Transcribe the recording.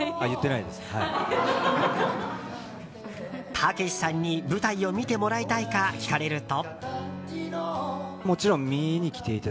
たけしさんに舞台を見てもらいたいか聞かれると。